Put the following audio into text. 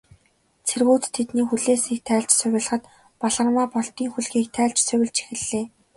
Цэргүүд тэдний хүлээсийг тайлж, сувилахад, Балгармаа Болдын хүлгийг тайлж сувилж эхэллээ.